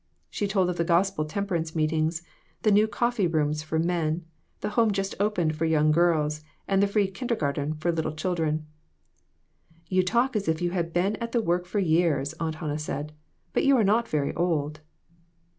She told of the gospel temperance meetings, the new coffee rooms for men, the home just opened for young girls, and the free kindergarten for little children. "You talk as if you had been at the work for years," Aunt Hannah said; "but you are not very old."